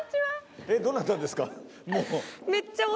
どなたですか？